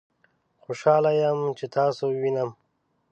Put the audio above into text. خوشحاله یم چې تاسو وینم